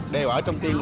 đều ở trong tiên